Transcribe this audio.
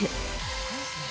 すごいですね。